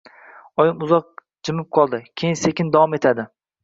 Oyim uzoq jimib qoladi, keyin sekin davom etadi.